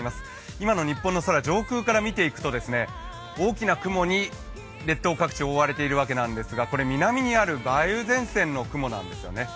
今の日本の空、上空から見ていくと大きな雲に列島各地、覆われているわけなんですがこれ、南にある梅雨前線の雲なんですね。